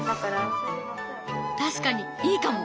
確かにいいかも！